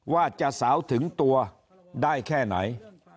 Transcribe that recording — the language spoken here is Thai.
ว่าจะสาวถึงตัวได้แค่ไหน